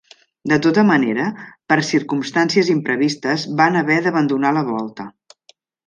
De tota manera, per circumstàncies imprevistes van haver d'abandonar la volta.